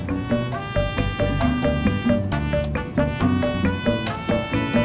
ini taruh sana ya